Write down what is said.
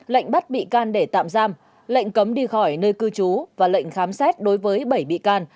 lệnh bắt bị can để tạm giam lệnh cấm đi khỏi nơi cư trú và lệnh khám xét đối với bảy bị can